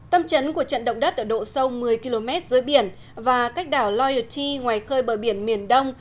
tâm trấn của trận động đất ở độ sâu một mươi km dưới biển và cách đảo loyalty ngoài khơi bờ biển miền đông